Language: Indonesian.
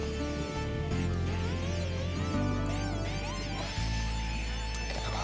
gue belum siap jadi pacarnya sekarang